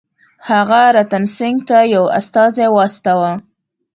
هغه رتن سینګه ته یو استازی واستاوه.